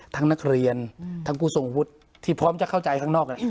ทั้งนักเรียนทั้งกุศงพุทธที่พร้อมจะเข้าใจข้างนอก